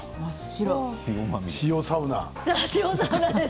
塩サウナ。